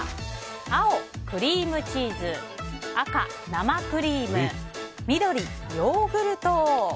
青、クリームチーズ赤、生クリーム緑、ヨーグルト。